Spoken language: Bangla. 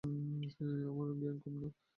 আমারো জ্ঞান কম না?